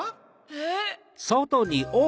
えっ？